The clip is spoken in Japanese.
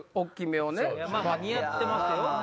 似合ってますよ。